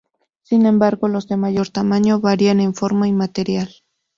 Sin embargo los de mayor tamaño varían en forma y material.